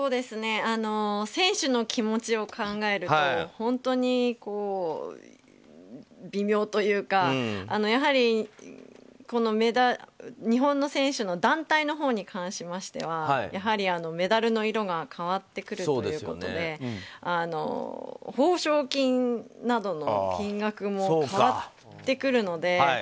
選手の気持ちを考えると本当に微妙というかやはり、日本の選手の団体のほうに関しましてはやはりメダルの色が変わってくるということで褒賞金などの金額も変わってくるので。